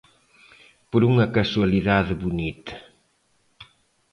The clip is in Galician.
Por unha casualidade bonita.